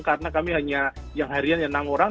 karena kami hanya yang harian yang enam orang